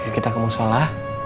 yuk kita kemusola